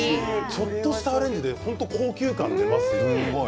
ちょっとしたアレンジで高級感が出ます。